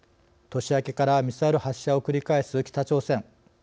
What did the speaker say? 年明けからミサイル発射を繰り返す北朝鮮。